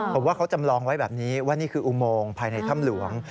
ผมว่าเขาจำลองไว้แบบนี้ว่านี่คืออุโมงภายในถ้ำหลวง